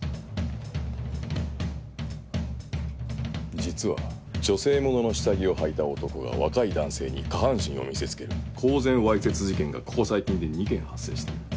実は女性物の下着をはいた男が若い男性に下半身を見せつける公然わいせつ事件がここ最近で２件発生している。